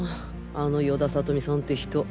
あの与田理美さんて人。